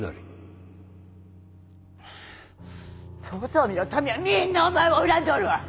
遠江の民はみんなお前を恨んでおるわ！